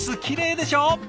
きれいでしょ？